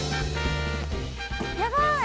やばい！